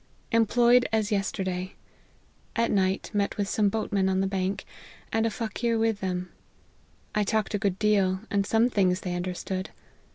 Employed as yesterday. At night met some boatmen on the bank, and a Fakir with them : I talked a good deal, and some things they understood.